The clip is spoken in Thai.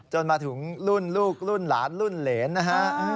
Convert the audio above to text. จนมาถึงรุ่นลูกรุ่นหลานรุ่นเหรนนะฮะ